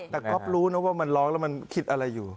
แต่ก๊อปรู้นะว่ามันร้องแล้วมันคิดอะไรอยู่